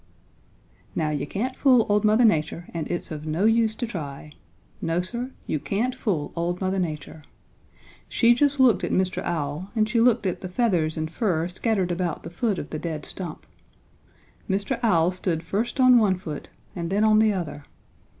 "Now you can't fool old Mother Nature and it's of no use to try. No, Sir, you can't fool old Mother Nature. She just looked at Mr. Owl and she looked at the feathers and fur scattered about the foot of the dead stump. Mr. Owl stood first on one foot and then on the other.